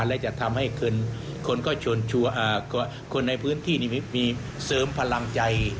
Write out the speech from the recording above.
และจะทำให้คนในพื้นที่นี้มีเสริมพลังใจ